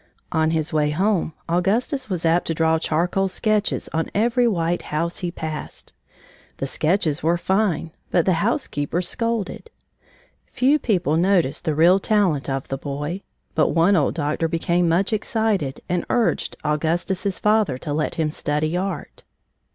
On his way home, Augustus was apt to draw charcoal sketches on every white house he passed. The sketches were fine, but the housekeepers scolded. Few people noticed the real talent of the boy, but one old doctor became much excited and urged Augustus's father to let him study art.